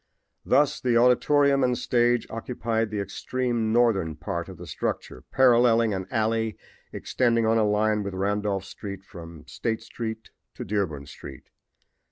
Thus the auditorium and stage occupied the extreme northern part of the structure, paralleling an alley extending on a line with Randolph street from State street to Dearborn street.